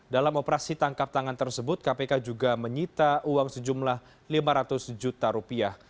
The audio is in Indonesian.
dalam operasi tangkap tangan tersebut kpk juga menyita uang sejumlah lima ratus juta rupiah